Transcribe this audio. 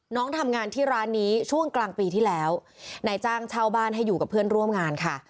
น้องทำงานที่ร้านนี้ช่วงกลางปีที่แล้วนายจ้างเช่าบ้านให้อยู่กับเพื่อนร่วมงานค่ะ